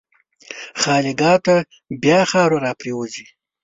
خالیګاه ته بیا خاوره راپرېوځي.